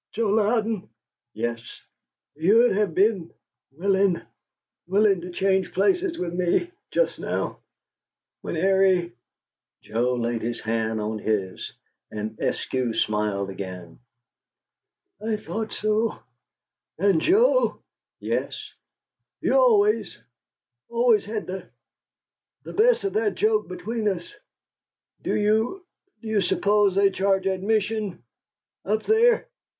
Joe Louden " "Yes?" "You'd have been willing willing to change places with me just now when Airie " Joe laid his hand on his, and Eskew smiled again. "I thought so! And, Joe " "Yes?" "You always always had the the best of that joke between us. Do you you suppose they charge admission up there?"